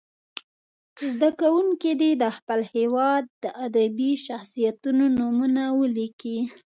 زده کوونکي دې د خپل هېواد د ادبي شخصیتونو نومونه ولیکي.